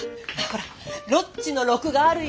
ほらロッチの録画あるよ。